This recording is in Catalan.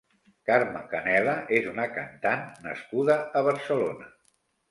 Carme Canela és una cantant nascuda a Barcelona.